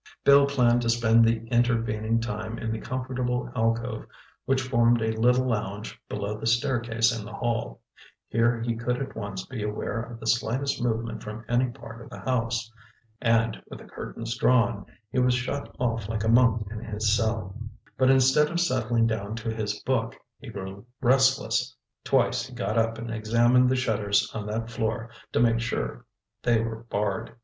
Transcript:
Bill planned to spend the intervening time in the comfortable alcove which formed a little lounge below the staircase in the hall. Here he could at once be aware of the slightest movement from any part of the house. And with the curtains drawn, he was shut off like a monk in his cell. But instead of settling down to his book, he grew restless. Twice he got up and examined the shutters on that floor to make sure they were barred.